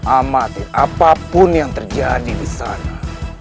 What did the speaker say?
amati apapun yang terjadi disana